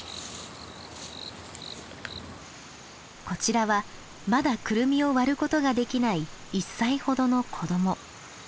こちらはまだクルミを割ることができない１歳ほどの子ども。